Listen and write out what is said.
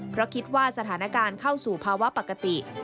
เพราะคิดว่าสถานการณ์เข้าสู่ภาวะปกติ